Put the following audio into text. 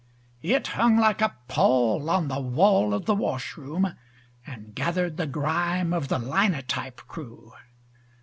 It hung like a pall on the wall of the washroom, And gathered the grime of the linotype crew.